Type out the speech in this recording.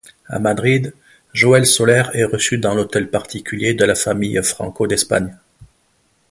A Madrid, Joel Soler est reçu dans l’hôtel particulier de la famille Franco d’Espagne.